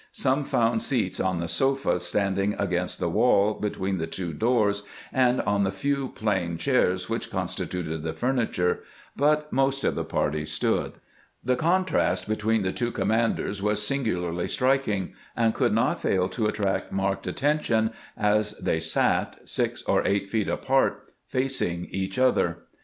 Some found seats on the sofa standing against the wall between the two doors and on the few plain chairs which constituted the furniture, but most of the party stood. The contrast between the two commanders was singularly strik ing, and could not fail to attract marked attention as they sat, six or eight feet apart, facing each other.